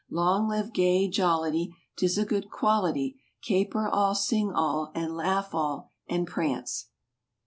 Long live gay jollity, 'Tis a good quality, Caper all, sing all, and laugh all, and prance.